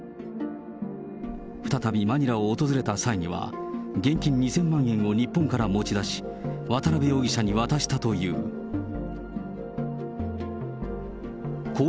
再びマニラを訪れた際には、現金２０００万円を日本から持ち出し、渡辺容疑者に渡したという。